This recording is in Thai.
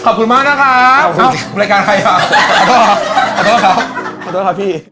ขอบคุณมากนะครับรายการใครอ่ะขอโทษครับขอโทษครับพี่